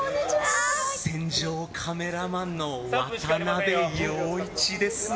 戦場カメラマンの渡部陽一です。